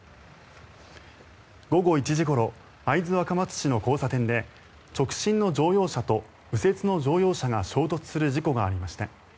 午後１時ごろ会津若松市の交差点で直進の乗用車と右折の乗用車が衝突する事故がありました。